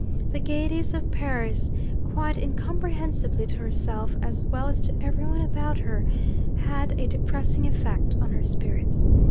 The gaieties of Paris (quite incomprehensibly to herself as well as to everyone about her) had a depressing effect on her spirits.